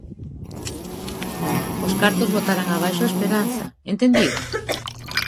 Os cartos botarán abaixo a esperanza, entendido?